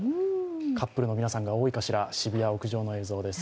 カップルの皆さんが多いかしら、渋谷屋上の映像です。